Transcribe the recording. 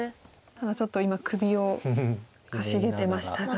ただちょっと今首をかしげてましたが。